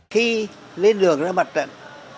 khi lên đường ra mặt trận